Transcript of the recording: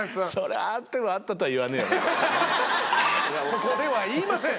ここでは言いません。